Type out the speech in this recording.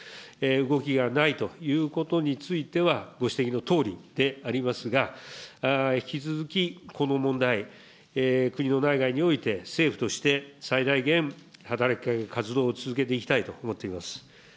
動きがないということについては、ご指摘のとおりでありますが、引き続き、この問題、国の内外において、政府として最大限、働きかけ、活動を続けていきたいと思っています。